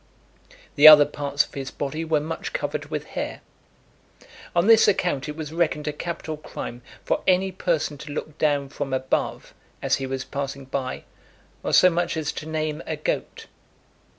The other parts of his body were much covered with hair. On this account, it was reckoned a capital crime for any person to look down from above, as he was passing by, or so much as to name a goat.